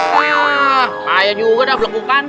wah kaya juga dah blekukan